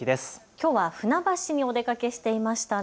きょうは船橋にお出かけしていましたね。